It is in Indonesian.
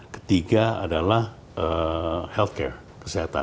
ketiga adalah healthcare kesehatan